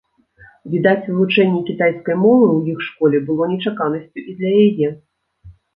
Відаць, вывучэнне кітайскай мовы ў іх школе было нечаканасцю і для яе.